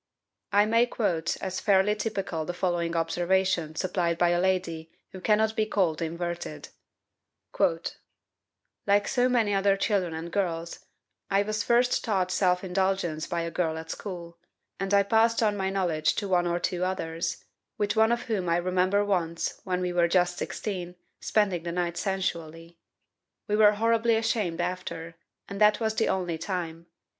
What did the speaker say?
I may quote as fairly typical the following observation supplied by a lady who cannot be called inverted: "Like so many other children and girls, I was first taught self indulgence by a girl at school, and I passed on my knowledge to one or two others, with one of whom I remember once, when we were just 16, spending the night sensually. We were horribly ashamed after, and that was the only time.